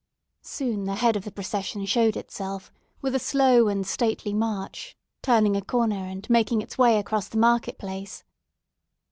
Soon the head of the procession showed itself, with a slow and stately march, turning a corner, and making its way across the market place.